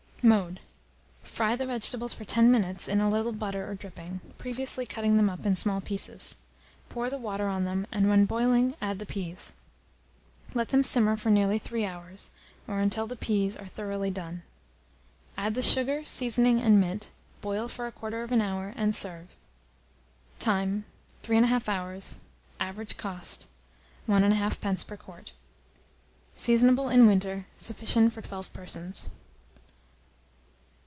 Mode. Fry the vegetables for 10 minutes in a little butter or dripping, previously cutting them up in small pieces; pour the water on them, and when boiling add the peas. Let them simmer for nearly 3 hours, or until the peas are thoroughly done. Add the sugar, seasoning, and mint; boil for 1/4 of an hour, and serve. Time. 3 1/2 hours. Average cost, 1 1/2d. per quart. Seasonable in winter. Sufficient for 12 persons.